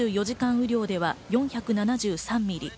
雨量では４７３ミリ。